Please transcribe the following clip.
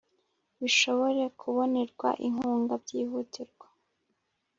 bishobore kubonerwa inkunga byihutirwa.